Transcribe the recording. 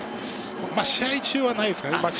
試合中はないですかね。